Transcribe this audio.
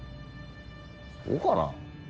そうかなあ。